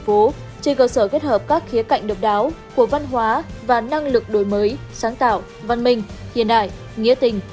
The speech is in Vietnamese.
phố trên cơ sở kết hợp các khía cạnh độc đáo của văn hóa và năng lực đổi mới sáng tạo văn minh hiện đại nghĩa tình